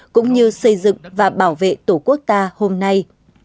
cũng như xây dựng và bảo vệ tổ quốc ta hôm nay